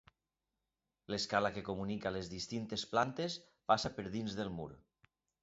L'escala que comunica les distintes plantes passa per dins del mur.